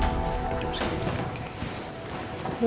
terima kasih mas